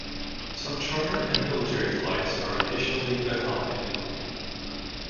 Some charter and military flights are additionally accommodated.